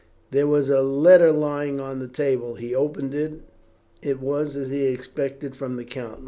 There was a letter lying on the table. He opened it. It was, as he had expected, from the count.